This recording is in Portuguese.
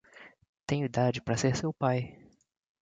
Tenho idade para ser seu pai.